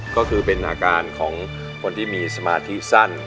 ก็คือเป็นอาการของคนที่มีสมาธิสั้น